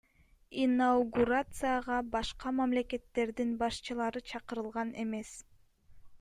Инаугурацияга башка мамлекеттердин башчылары чакырылган эмес.